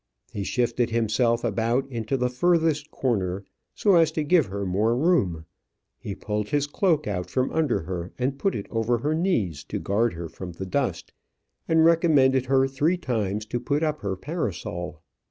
He shifted himself about into the furthest corner so as to give her more room; he pulled his cloak out from under her, and put it over her knees to guard her from the dust; and recommended her three times to put up her parasol.